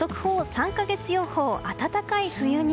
３か月予報、暖かい冬に。